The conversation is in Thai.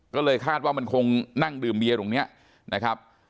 ก็เลยคาดว่ามันคงนั่งดื่มเบียตรงนี้นะครับ